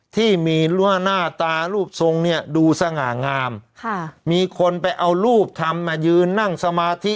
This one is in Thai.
ที่มีรั่วหน้าตารูปทรงเนี่ยดูสง่างามค่ะมีคนไปเอารูปธรรมมายืนนั่งสมาธิ